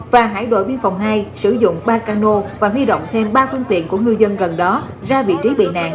và hải đội biên phòng hai sử dụng ba cano và huy động thêm ba phương tiện của ngư dân gần đó ra vị trí bị nạn